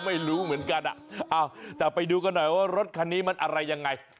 ไม่รู้เหมือนกันแต่ไปดูกันหน่อยว่ารถคันนี้มันอะไรยังไง